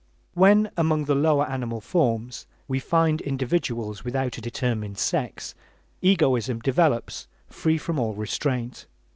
When, among the lower animal forms we find individuals without a determined sex, egoism develops free from all restraint.